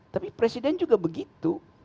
tapi presiden juga begitu